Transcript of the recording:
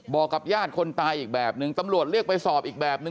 บอกกับญาติคนตายอีกแบบนึงตำรวจเรียกไปสอบอีกแบบนึ